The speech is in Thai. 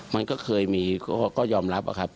มันก็เคยมีก็ยอมรับอะครับ